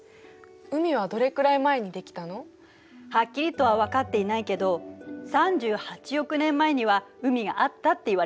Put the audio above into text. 海はどれくらい前にできたの？はっきりとは分かっていないけど３８億年前には海があったっていわれているの。